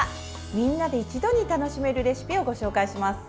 みんなで一度に楽しめるレシピをご紹介します。